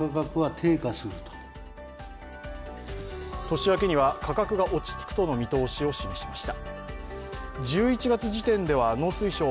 年明けには価格が落ち着くとの見通しを示しました。